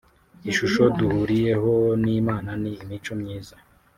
Ishusho duhuriyeho n’Imana ni imico myiza